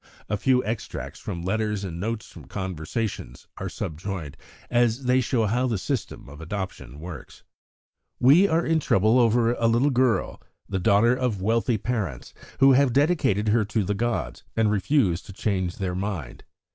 A few extracts from letters and notes from conversations are subjoined, as they show how the system of adoption works: "We are in trouble over a little girl, the daughter of wealthy parents, who have dedicated her to the gods and refuse to change their mind.